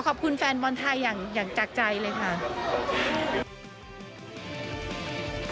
ขอบคุณแฟนบอลไทยอย่างจากใจเลยค่ะ